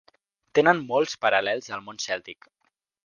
Tenen molts paral·lels al món cèltic.